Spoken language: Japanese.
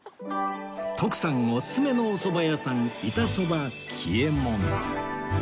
徳さんオススメのおそば屋さん板そば喜右衛門